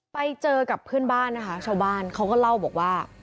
ไปเจอกับเพื่อนบ้านนะคะชาวบ้านเขาก็เล่าบอกว่า